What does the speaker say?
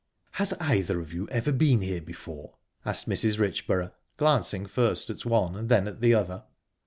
"Has either of you ever been here before?" asked Mrs. Richborough, glancing first at one and then at the other.